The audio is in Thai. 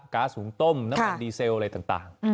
๊าซหุงต้มน้ำมันดีเซลอะไรต่าง